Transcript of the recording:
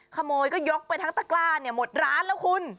ขโมยก็ยกไปทั้งตะกล้าเนี่ยหมดร้านแล้วคุณ